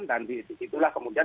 dan di situ lah kemudian